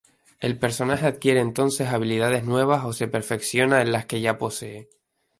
El personaje adquiere entonces habilidades nuevas o se perfecciona en las que ya posee.